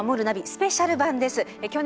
スペシャル版です。